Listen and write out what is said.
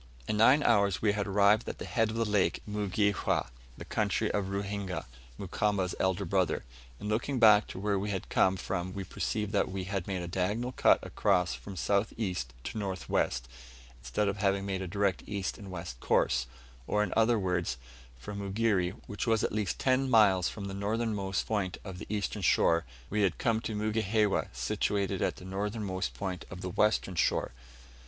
In nine hours we had arrived at the head of the lake in Mugihewa, the country of Ruhinga; Mukamba's elder brother. In looking back to where we had come from we perceived that we had made a diagonal cut across from south east to north west, instead of having made a direct east and west course; or, in other words, from Mugere which was at least ten miles from the northernmost point of the eastern shore we had come to Mugihewa, situated at the northernmost point of the western shore.